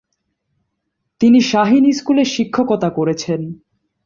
তিনি শাহীন স্কুলে শিক্ষকতা করেছেন।